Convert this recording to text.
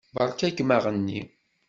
Beṛka-kem aɣenni.